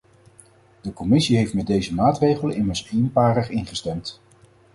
De commissie heeft met deze maatregel immers eenparig ingestemd.